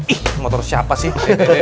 ih motor siapa sih